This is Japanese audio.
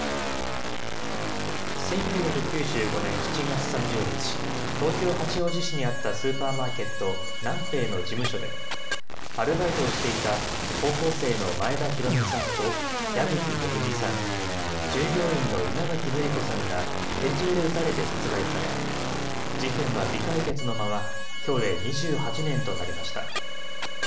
１９９５年７月３０日、東京・八王子市にあったスーパーマーケット、ナンペイの事務所で、アルバイトをしていた高校生の前田寛美さんと矢吹恵さん、従業員の稲垣則子さんが拳銃で撃たれて殺害され、事件は未解決のまま、きょうで２８年となりました。